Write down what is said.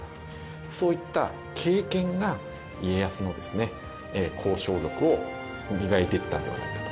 そういった経験が家康の交渉力を磨いていったんではないかというふうに思います。